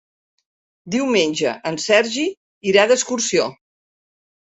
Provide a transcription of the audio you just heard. Diumenge en Sergi irà d'excursió.